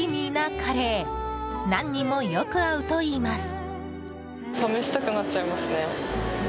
ナンにも、よく合うといいます。